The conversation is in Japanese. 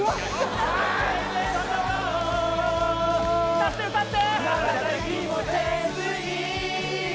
歌って歌って！